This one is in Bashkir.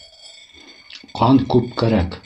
Ҡан күп кәрәк.